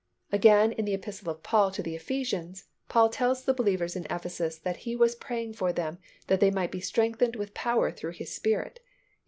Again in the Epistle of Paul to the Ephesians, Paul tells the believers in Ephesus that he was praying for them that they might be strengthened with power through His Spirit (Eph.